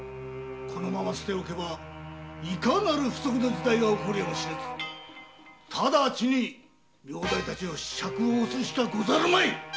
このまま捨ておけばいかなる不測の事態が起こるやもしれず直ちに名代たちを釈放するしかござるまい！